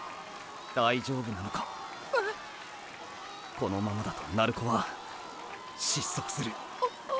このままだと鳴子は失速する。